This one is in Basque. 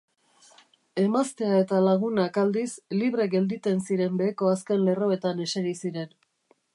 Emaztea eta lagunak aldiz, libre gelditen ziren beheko azken lerroetan eseri ziren.